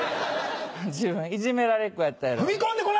自分いじめられっ子やったやろ？